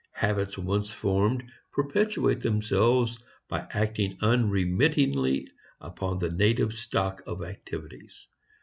Habits once formed perpetuate themselves, by acting unremittingly upon the native stock of activities.